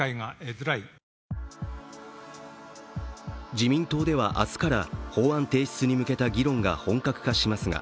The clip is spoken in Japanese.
自民党では明日から法案提出に向けた議論が本格化しますが、